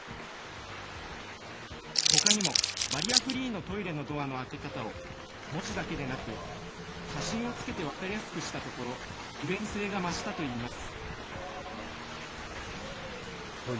ほかにもバリアフリーのトイレのドアの開け方を文字だけでなく、写真をつけて分かりやすくしたところ、利便性が増したといいます。